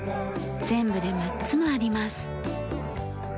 全部で６つもあります。